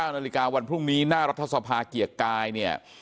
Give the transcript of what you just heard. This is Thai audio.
นาฬิกาวันพรุ่งนี้หน้ารัฐสภาเกียรติกายเนี่ย